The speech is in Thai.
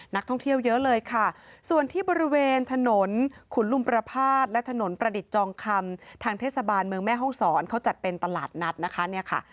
นักท่องเที่ยวเยอะเลยค่ะส่วนที่บริเวณถนนขุนลุมประพาทและถนนประดิษฐ์จองคำทางเทศบาลเมืองแม่ห้องศรเขาจัดเป็นตลาดนัดนะคะเนี่ยค่ะ